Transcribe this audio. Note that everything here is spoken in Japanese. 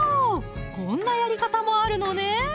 こんなやり方もあるのね